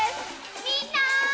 みんな！